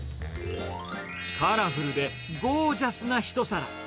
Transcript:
カラフルでゴージャスな一皿。